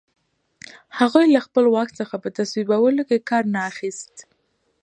هغوی له خپل واک څخه په تصویبولو کې کار نه اخیست.